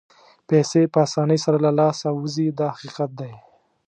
پیسې په اسانۍ سره له لاسه وځي دا حقیقت دی.